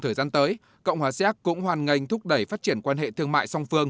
thời gian tới cộng hòa xéc cũng hoàn ngành thúc đẩy phát triển quan hệ thương mại song phương